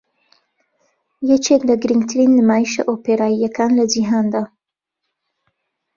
یەکێک لە گرنگترین نمایشە ئۆپێراییەکان لە جیهاندا